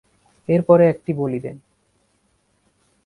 এরপরে একটি বলি দেন।